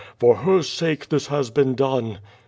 For her sake this has been done."